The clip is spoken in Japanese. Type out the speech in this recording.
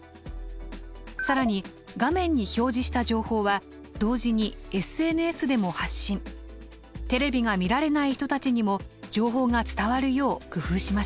更に画面に表示した情報はテレビが見られない人たちにも情報が伝わるよう工夫しました。